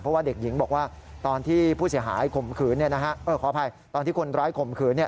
เพราะว่าเด็กหญิงบอกว่าตอนที่คนร้ายขมขืน